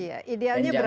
iya idealnya berapa